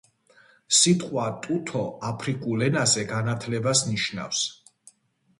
სიტყვა ტუთო აფრიკულ ენაზე განათლებას ნიშნავს.